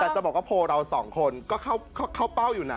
แต่จะบอกว่าโพลเราสองคนก็เข้าเป้าอยู่นะ